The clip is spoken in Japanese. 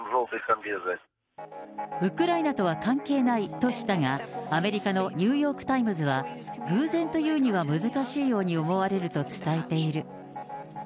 ウクライナとは関係ないとしたが、アメリカのニューヨーク・タイムズは、偶然というのは難しいように思われると伝えている。